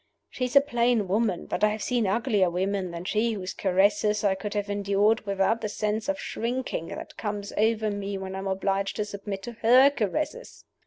She is a plain woman; but I have seen uglier women than she whose caresses I could have endured without the sense of shrinking that comes over me when I am obliged to submit to her caresses.